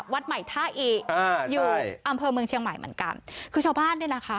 วัดใหม่ท่าอิอ่าอยู่อำเภอเมืองเชียงใหม่เหมือนกันคือชาวบ้านเนี่ยนะคะ